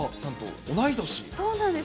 そうなんです。